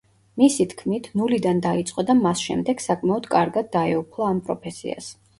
მისი თქმით, ნულიდან დაიწყო და მას შემდეგ საკმაოდ კარგად დაეუფლა ამ პროფესიას.